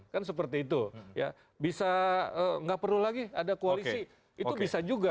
kan seperti itu ya bisa nggak perlu lagi ada koalisi itu bisa juga